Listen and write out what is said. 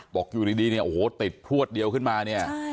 บอกอยู่ดีเนี่ยโอ้โหติดพลวดเดียวขึ้นมาเนี่ย